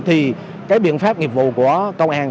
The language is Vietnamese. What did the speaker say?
thì cái biện pháp nghiệp vụ của công an